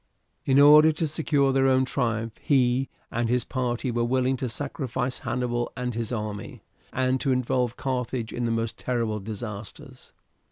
In order to secure their own triumph, he and his party were willing to sacrifice Hannibal and his army, and to involve Carthage in the most terrible disasters.